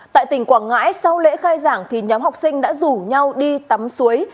tại tỉnh quảng ngãi sau lễ khai giảng thì nhóm học sinh đã rủ nhau đi tắm suối